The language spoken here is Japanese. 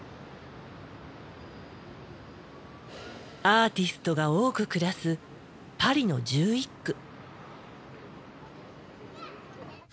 アーティストが多く暮らすパリの１１区。